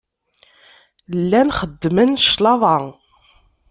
Llan xeddmen claṭa.